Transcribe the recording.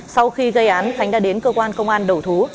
sau khi gây án khánh đã đến cơ quan công an đầu thú